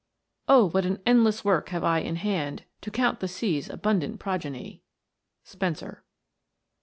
'' Oh, what an endless work have I in hand, To count the sea's abundant progeny !" SPENSER.